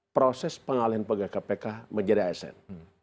apa yang akan dilakukan pengalaman pegawai kpk menjadi asn